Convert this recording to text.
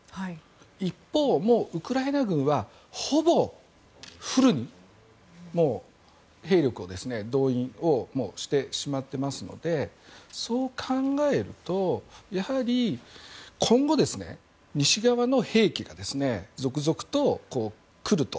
一方、もうウクライナ軍はほぼフルに兵力を動員をしてしまっていますのでそう考えるとやはり今後、西側の兵器が続々と来ると。